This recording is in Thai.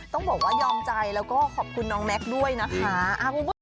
ต้องบอกว่ายอมใจแล้วก็ขอบคุณน้องแม็กซ์ด้วยนะคะคุณผู้ชม